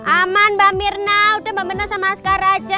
aman mbak mirna udah mbak benar sama askar aja